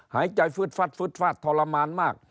หายใจฟืดฟัดฟืดฟาดทรมานมาก